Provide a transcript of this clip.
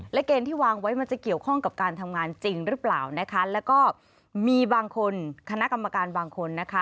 และเกณฑ์ที่วางไว้มันจะเกี่ยวข้องกับการทำงานจริงหรือเปล่านะคะแล้วก็มีบางคนคณะกรรมการบางคนนะคะ